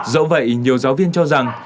dẫu vậy nhiều giáo viên cho rằng